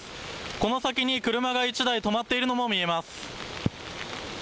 この先に車が１台止まっているのも見えます。